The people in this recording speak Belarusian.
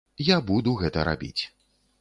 Я буду гэта рабіць.